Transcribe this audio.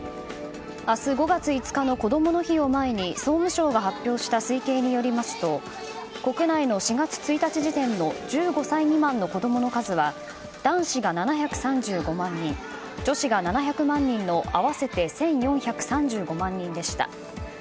明日５月５日のこどもの日を前に総務省が発表した推計によりますと国内の４月１日時点の１５歳未満の子供の数は男子が７３５万人女子が７００万人の合わせて１４３５万人でした。